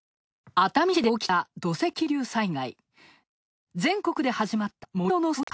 熱海市で起きた土石流災害。